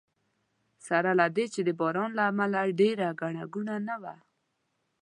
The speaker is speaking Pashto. سره له دې چې د باران له امله ډېره ګڼه ګوڼه نه وه.